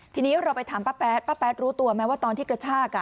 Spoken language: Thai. ทีนี้เราไปถามป้าแป๊ดป้าแป๊ดรู้ตัวไหมว่าตอนที่กระชาก